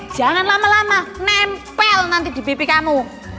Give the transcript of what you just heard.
jangan lama lama nempel nanti di bp kamu